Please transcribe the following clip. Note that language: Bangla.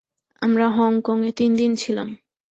আমরা হংকঙে তিন দিন ছিলাম।